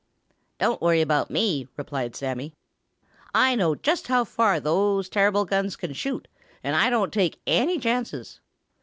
"Don't worry about me," replied Sammy "I know just how far those terrible guns can shoot, and I don't take any chances.